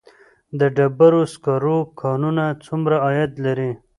د ډبرو سکرو کانونه څومره عاید لري؟